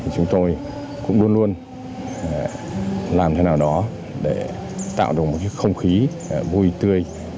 chúng tôi cũng luôn luôn làm thế nào đó để tạo được một không khí vui tươi